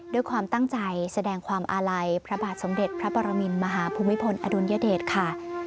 ด้วยความตั้งใจแสดงความอาลัยพระบาทสมเด็จพระปรมินมหาภูมิพลอดุลยเดชค่ะ